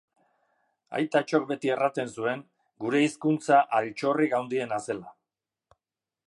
Aitatxok beti erraten zuen , gure hizkuntza altxorrik haundiena zela